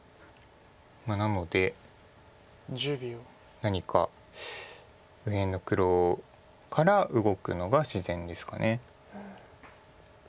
なので何か右辺の黒から動くのが自然ですか。